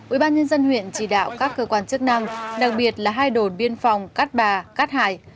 ubnd huyện chỉ đạo các cơ quan chức năng đặc biệt là hai đồn biên phòng cát bà cát hải